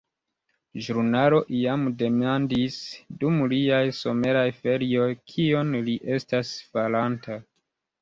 Ĵurnalo iam demandis, dum liaj someraj ferioj, kion li estas faranta.